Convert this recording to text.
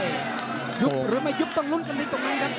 ยุบหรือไม่ยุบต้องลุ้นกันในตรงนั้นครับ